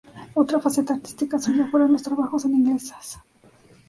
Otra faceta artística suya fueron los trabajos en iglesias.